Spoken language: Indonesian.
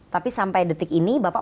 tapi sampai detik ini bapak